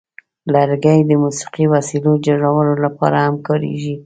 لرګي د موسیقي وسیلو جوړولو لپاره هم کارېږي.